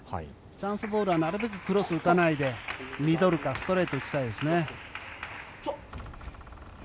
チャンスボールはなるべくクロスを打たないでミドルかストレートを打ちたいですね。